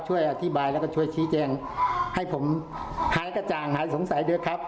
ช่วยอธิบายแล้วก็ช่วยชี้แจงให้ผมหายกระจ่างหายสงสัยด้วยครับ